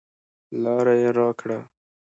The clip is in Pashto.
لاره یې راکړه.